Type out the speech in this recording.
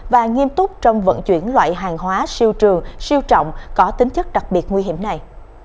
và nghiêm túc trong vận chuyển loại hàng hóa siêu trường siêu trọng có tính chất đặc biệt nguy hiểm này